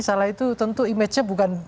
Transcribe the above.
salah itu tentu image nya bukan